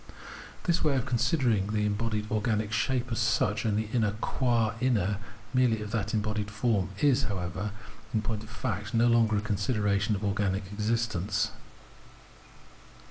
This way of considering the embodied organic shape as such and the inner qua inner merely of that em bodied form, is, however, in point of fact, no longer a consideration of organic existence.